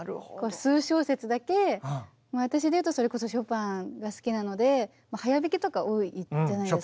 数小節だけ私でいうとそれこそショパンが好きなので速弾きとか多いじゃないですか。